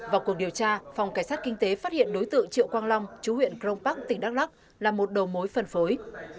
vào cuộc điều tra phòng cảnh sát kinh tế phát hiện đối tượng triệu quang long chú huyện crong park tỉnh đắk lắc là một đầu mối phân phối